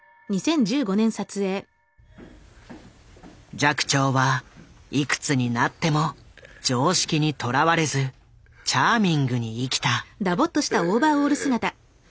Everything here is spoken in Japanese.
寂聴はいくつになっても常識にとらわれずチャーミングに生きた。